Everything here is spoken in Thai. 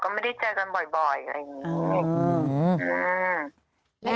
ไม่ได้เจอกันบ่อยอะไรงี้